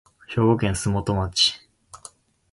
兵庫県洲本市